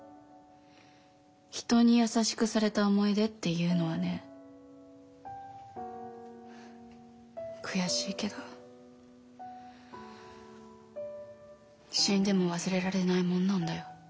人に優しくされた思い出っていうのはね悔しいけど死んでも忘れられないもんなんだよ。